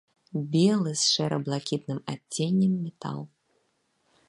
Белы з шэра-блакітным адценнем метал.